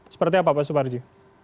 seperti apa pak suparji